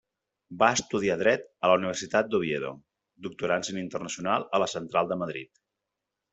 Va estudiar Dret a la Universitat d'Oviedo, doctorant-se en Internacional a la Central de Madrid.